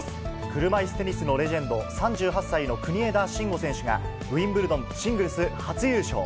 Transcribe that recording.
車いすテニスのレジェンド、３８歳の国枝慎吾選手が、ウィンブルドンシングルス初優勝。